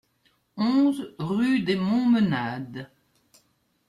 onze rue des Montmenades